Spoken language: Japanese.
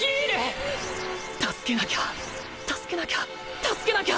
助けなきゃ助けなきゃ助けなきゃ！